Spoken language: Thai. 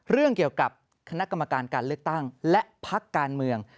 เรื่องเกี่ยวกับคณะกรรมการการเลือกตั้งและพักการเมือง